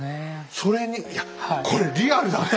それにいやこれリアルだね